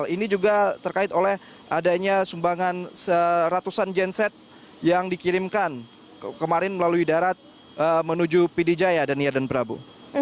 ini juga terkait oleh adanya sumbangan seratusan genset yang dikirimkan kemarin melalui darat menuju pidijaya daniar dan prabu